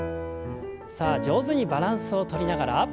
さあ上手にバランスをとりながら。